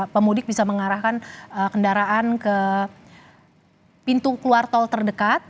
pemudik bisa mengarahkan kendaraan ke pintu keluar tol terdekat